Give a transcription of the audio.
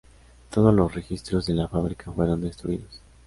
Todos los registros de la fábrica fueron destruidos.